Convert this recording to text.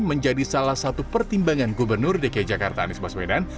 menjadi salah satu pertimbangan gubernur dki jakarta anies baswedan